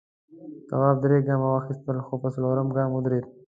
تواب درې گامه واخیستل خو په څلورم گام ودرېد.